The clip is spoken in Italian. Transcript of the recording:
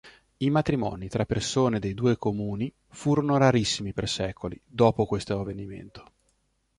I matrimoni tra persone dei due comuni furono rarissimi per secoli, dopo questo avvenimento.